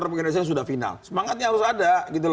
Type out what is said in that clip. republik indonesia sudah final semangatnya harus ada